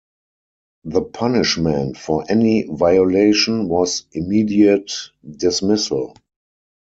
The punishment for any violation was immediate dismissal.